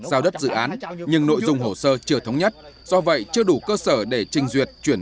giao đất dự án nhưng nội dung hồ sơ chưa thống nhất do vậy chưa đủ cơ sở để trình duyệt chuyển